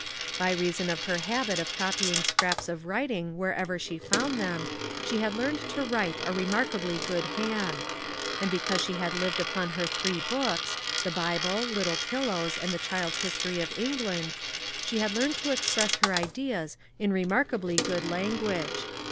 By reason of her habit of copying scraps of writing wherever she found them, she had learned to write a remarkably good hand; and because she had lived upon her three books, the Bible, Little Pillows, and the Child's His 33 MAG AND MARGARET tory of England, she had learned to express her ideas in remarkably good language.